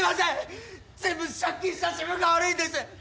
全部借金した自分が悪いんです。